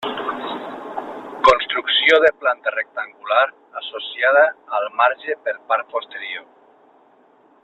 Construcció de planta rectangular, associada al marge per part posterior.